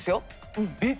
うん。えっ？